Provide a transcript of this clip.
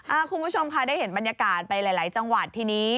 คุณผู้ชมค่ะได้เห็นบรรยากาศไปหลายหลายจังหวัดทีนี้